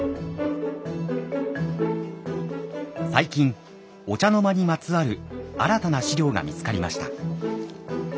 最近御茶之間にまつわる新たな史料が見つかりました。